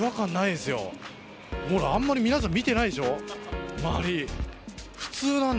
あんまり皆さん見てないでしょう、周り。